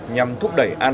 nhằm thúc đẩy an ninh